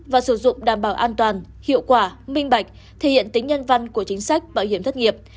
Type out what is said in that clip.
và sử dụng đảm bảo an toàn hiệu quả minh bạch thể hiện tính nhân văn của chính sách bảo hiểm thất nghiệp